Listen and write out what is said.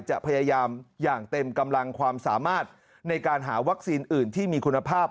จะพยายามอย่างเต็มกำลังความสามารถในการหาวัคซีนอื่นที่มีคุณภาพ